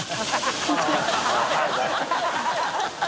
ハハハ